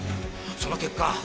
その結果。